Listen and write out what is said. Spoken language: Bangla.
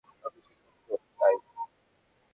নতুন শিক্ষক তো, তাই।